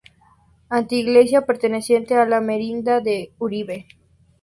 Anteiglesia perteneciente a la merindad de Uribe.